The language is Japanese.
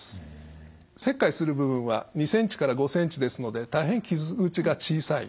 切開する部分は２ｃｍから５ｃｍですので大変傷口が小さい。